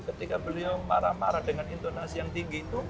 ketika beliau marah marah dengan intonasi yang tinggi itu